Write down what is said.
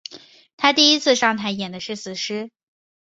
她第一次上台是演死尸。